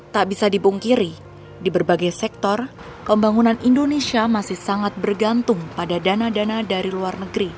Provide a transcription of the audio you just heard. tak bisa dipungkiri di berbagai sektor pembangunan indonesia masih sangat bergantung pada dana dana dari luar negeri